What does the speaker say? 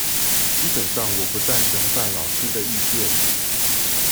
基本上我不贊成范老師的意見